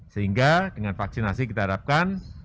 sehingga dengan vaksinasi kita harapkan